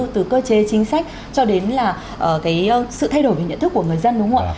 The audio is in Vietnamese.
từ cơ chế chính sách cho đến là cái sự thay đổi về nhận thức của người dân đúng không ạ